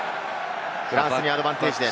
フランスにアドバンテージです。